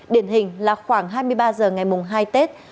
điển hình là khoảng hai mươi ba h ngày mùng hai tết